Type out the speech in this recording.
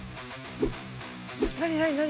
何何何？